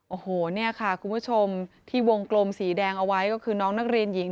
โอ้โหเนี่ยค่ะคุณผู้ชมที่วงกลมสีแดงเอาไว้ก็คือน้องนักเรียนหญิง